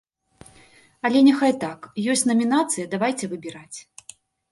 Але няхай так, ёсць намінацыя давайце выбіраць.